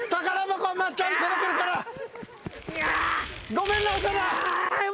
ごめんな長田。